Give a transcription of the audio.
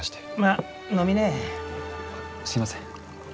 あっすいません。